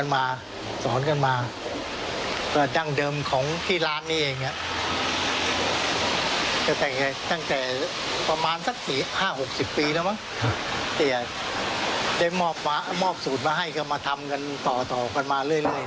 มั้งแต่อ่ะได้มอบมามอบสูตรมาให้กันมาทำกันต่อต่อกันมาเรื่อยเรื่อย